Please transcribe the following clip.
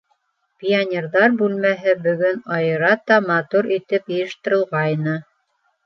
Пионерҙар бүлмәһе бөгөн айырата матур итеп йыйыштырылғайны.